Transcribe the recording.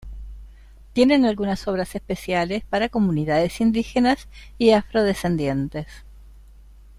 Tienen algunas obras especiales para comunidades indígenas y afrodescendientes.